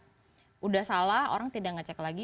sudah salah orang tidak ngecek lagi